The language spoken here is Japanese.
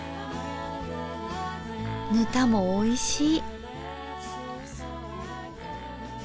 ぬたもおいしい。